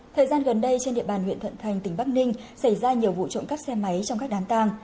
thời gian gần đây trên địa bàn huyện thuận thành tỉnh bắc ninh xảy ra nhiều vụ trộm cắp xe máy trong các đám tàng